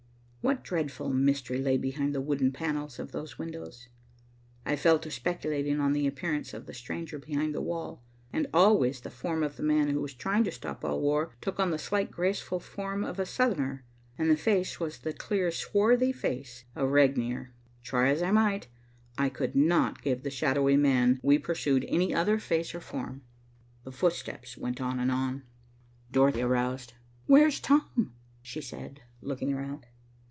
What dreadful mystery lay behind the wooden panels of those windows? I fell to speculating on the appearance of the stranger behind the wall, and always the form of the man who was trying to stop all war took on the slight graceful form of a Southerner, and the face was the clear swarthy face of Regnier. Try as I might, I could not give the shadowy man we pursued any other face or form. The footsteps went on and on. Dorothy aroused. "Where's Tom?" she said, looking around.